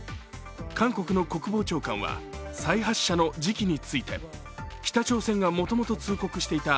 韓国の国防長官は再発射の時期について、北朝鮮がもともと通告していた